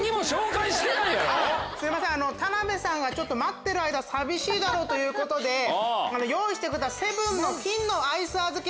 すいません田辺さんが待ってる間寂しいだろうということで用意してくれたセブンの金のアイスあずき